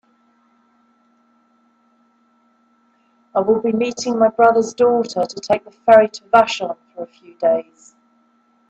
I will be meeting my brother's daughter to take the ferry to Vashon for a few days.